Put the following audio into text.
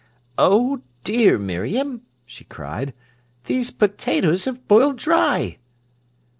"Oh dear, Miriam," she cried, "these potatoes have boiled dry!"